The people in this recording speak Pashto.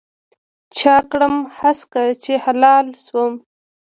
چا کړم هسکه چې هلال شوم